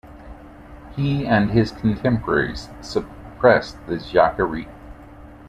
He and his contemporaries suppressed the Jacquerie.